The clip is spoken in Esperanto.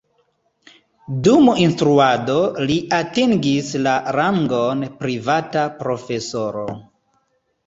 Dum instruado li atingis la rangon privata profesoro.